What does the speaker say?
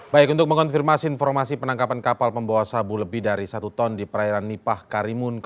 berita terkini mengenai cuaca ekstrem dua ribu dua puluh satu di jepang